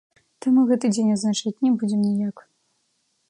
Таму гэты дзень адзначаць не будзем ніяк.